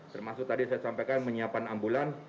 termasuk tadi saya sampaikan menyiapkan ambulans